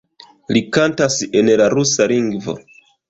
Li kantas en la rusa lingvo.